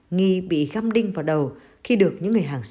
nghi bị găm đinh vào đầu khi được những người hàng xứ